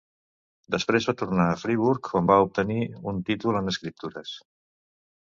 Després va tornar a Friburg, on va obtenir un títol en escriptures.